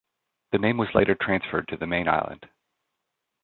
The name was later transferred to the main island.